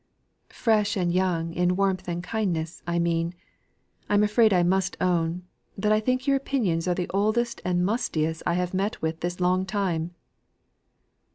"Fresh and young in warmth and kindness, I mean. I'm afraid I must own, that I think your opinions are the oldest and mustiest I have met with this long time."